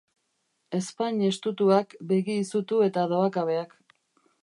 Ezpain estutuak, begi izutu eta dohakabeak.